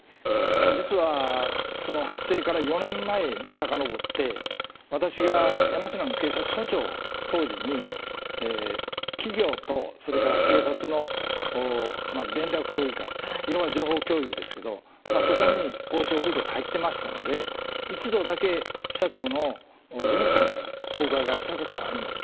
実はその発生から４年前にさかのぼって、私が山科の警察署長当時に、企業とそれから警察の連絡協議会、要は情報共有ですけど、そこに王将フードが入ってましたので、一度だけ社長の事務所にお伺いしたことがあります。